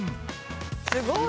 すごい！